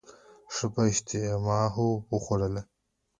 ښه په اشتهامو وخوړله.